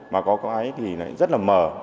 mà có cái thì rất là mờ